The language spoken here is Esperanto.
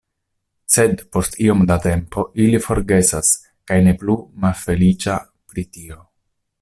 Sed post iom da tempo, ili forgesas kaj ne plu malfeliĉa pri tio.